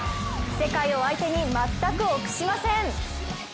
世界を相手に全く臆しません。